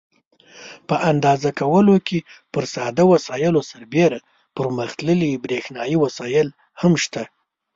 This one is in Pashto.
په اندازه کولو کې پر ساده وسایلو سربېره پرمختللي برېښنایي وسایل هم شته.